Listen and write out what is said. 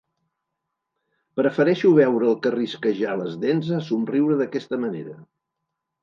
Prefereixo veure'l carrisquejar les dents a somriure d'aquesta manera.